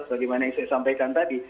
sebagaimana yang saya sampaikan tadi